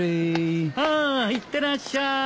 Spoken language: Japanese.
ああいってらっしゃい。